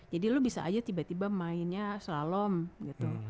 jadi lo bisa aja tiba tiba mainnya slalom gitu